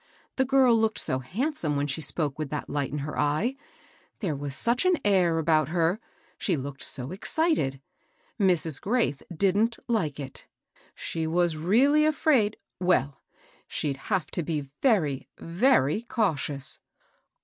The girl looked so handsome when she spoke with that light in her eyel — there was such an air about her I — she looked so excited I Mrs. Graith didnH like it. She was really afraid, — well, she'd have to be very, very cautious.